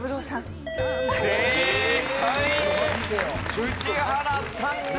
宇治原さんが。